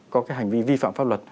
có cái hành vi vi phạm pháp luật